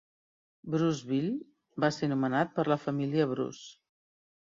Bruceville va ser nomenat per la família Bruce.